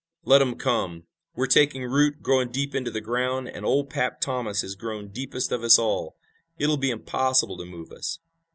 "Let 'em come. We're taking root, growing deep into the ground and old 'Pap' Thomas has grown deepest of us all! It'll be impossible to move us!"